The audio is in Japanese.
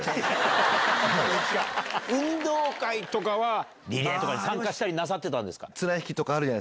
運動会とかはリレーとかに参加したりなさってたんですか？